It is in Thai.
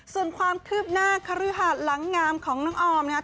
ส่วนความคืบหน้าคฤหาสหลังงามของน้องออมนะครับ